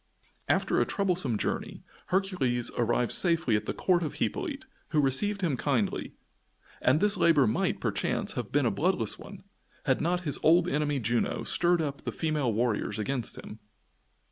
After a troublesome journey Hercules arrived safely at the Court of Hippolyte, who received him kindly; and this labor might, perchance, have been a bloodless one had not his old enemy Juno stirred up the female warriors against him.